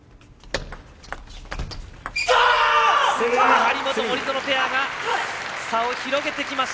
張本、森薗ペアが差を広げてきました！